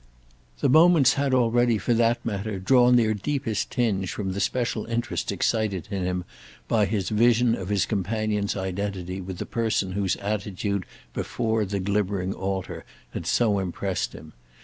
The moments had already, for that matter, drawn their deepest tinge from the special interest excited in him by his vision of his companion's identity with the person whose attitude before the glimmering altar had so impressed him.